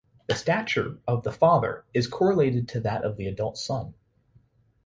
The stature of the father is correlated to that of the adult son.